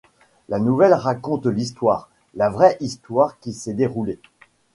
La nouvelle raconte l'Histoire, la vraie Histoire qui s'est déroulée.